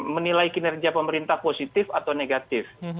menilai kinerja pemerintah positif atau negatif